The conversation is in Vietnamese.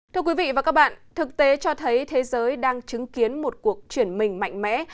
thưa quý vị và các bạn thực tế cho thấy thế giới đang chứng kiến một cuộc chuyển mình mạnh mẽ